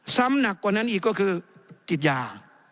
หนักกว่านั้นอีกก็คือติดยา